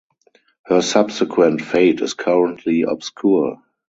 Her subsequent fate is currently obscure.